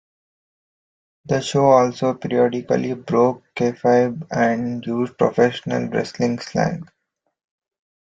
The show also periodically broke kayfabe and used professional wrestling slang.